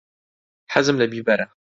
حەزم لە بیبەرە.